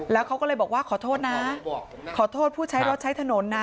แล้วเขาก็เลยบอกว่าขอโทษนะขอโทษผู้ใช้รถใช้ถนนนะ